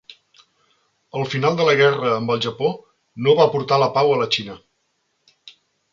El final de la guerra amb el Japó no va portar la pau a la Xina.